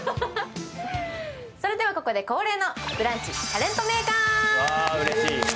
それではここで恒例のブランチタレント名鑑。